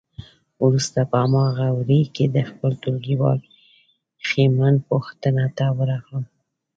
وروسته په هماغه حویلی کې د خپل ټولګیوال شېمن پوښتنه ته ورغلم.